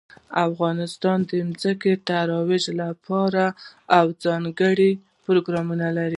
افغانستان د ځمکه د ترویج لپاره پوره او ځانګړي پروګرامونه لري.